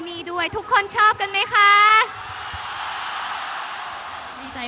มีเธอต้องไปเธอทำไม